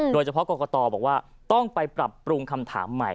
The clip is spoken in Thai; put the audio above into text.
โดยเฉพาะกรกตบอกว่าต้องไปปรับปรุงคำถามใหม่